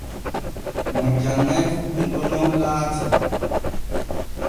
Mo janŋai fu bunɗo nun laati.